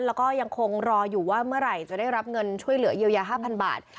แล้วก็ยังคงรออยู่ว่าเมื่อไหร่จะได้รับเงินช่วยเหลือเยียวยา๕๐๐บาท